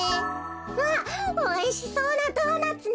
あっおいしそうなドーナツね。